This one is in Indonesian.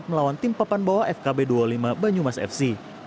melawan tim papan bawah fkb dua puluh lima banyumas fc